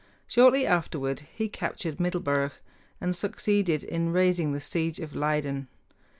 Shortly afterward he captured Middelburg and succeeded in raising the siege of Leyden.